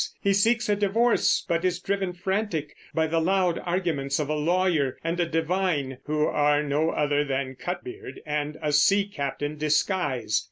He seeks a divorce, but is driven frantic by the loud arguments of a lawyer and a divine, who are no other than Cutbeard and a sea captain disguised.